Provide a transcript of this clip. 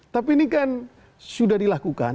tapi ini kan sudah dilakukan